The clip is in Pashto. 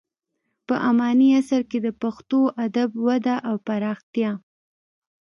په اماني عصر کې د پښتو ادب وده او پراختیا.